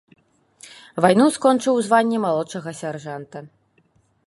Вайну скончыў у званні малодшага сяржанта.